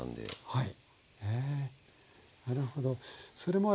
はい。